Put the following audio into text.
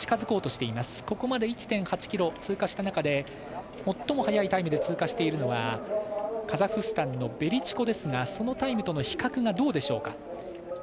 ここまで１．８ｋｍ通過した中で最も早いタイムで通過してるのはカザフスタンのベリチコですがそのタイムとの比較がどうでしょうか。